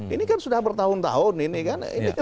ini kan sudah bertahun tahun ini kan